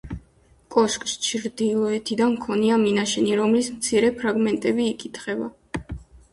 კოშკს ჩრდილოეთიდან ჰქონია მინაშენი, რომლის მცირე ფრაგმენტები იკითხება.